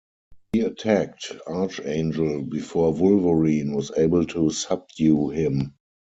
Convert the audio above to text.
He attacked Archangel before Wolverine was able to subdue him.